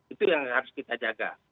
itu yang harus kita jaga